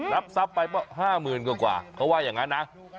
รับทรัพย์ไป๕๐๐๐กว่าเขาว่าอย่างนั้นนะ